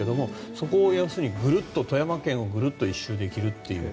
そこを要するに、富山県をぐるっと１周できるという。